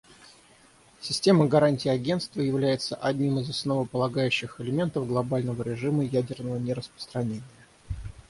Система гарантий Агентства является одним из основополагающих элементов глобального режима ядерного нераспространения.